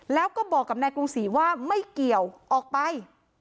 แล้วก็บอกกับนายกรุงศรีว่าไม่เกี่ยวออกไป